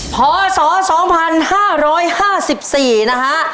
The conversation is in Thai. พศ๒๕๕๔นะฮะ